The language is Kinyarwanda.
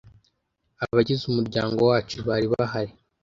abagize umuryango wacu bari bahari